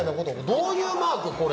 どういうマークこれ？